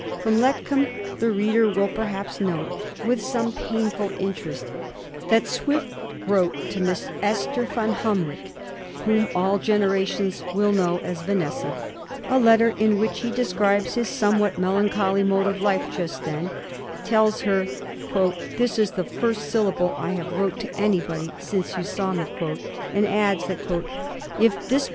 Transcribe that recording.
From Letcomb the reader will perhaps note with some painftd interest that Swift wrote to Miss Esther Vanhomrigh, whom all genera tions will know as Vanessa, a letter, in which he describes his somewhat melancholy mode of life just then, tells her * this is the first syllable I have wrote to anybody since you saw me,' and adds that ^ if this Digiti zed by Google 1714 SWIFT AND HIS PARTY.